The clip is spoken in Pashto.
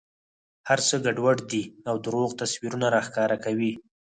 هر څه ګډوډ دي او درواغ تصویرونه را ښکاره کوي.